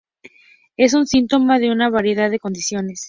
Es un síntoma de una variedad de condiciones.